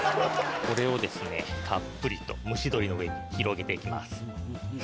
これをたっぷりと蒸し鶏の上に広げて行きます。